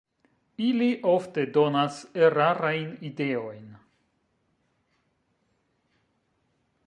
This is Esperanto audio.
Ili ofte donas erarajn ideojn.